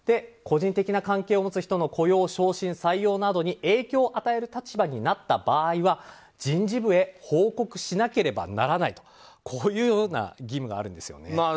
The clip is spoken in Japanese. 個人的な関係を持つ人の雇用、昇進、採用などに影響を与える立場になった場合は人事部へ報告しなければならないという義務があるんですよね。